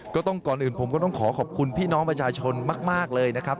ก่อนอื่นผมก็ต้องขอขอบคุณพี่น้องประชาชนมากเลยนะครับ